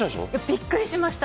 びっくりしました。